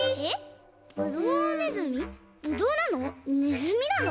ぶどうなの？